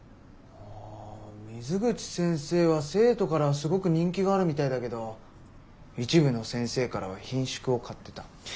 あ水口先生は生徒からすごく人気があるみたいだけど一部の先生からはひんしゅくを買ってた。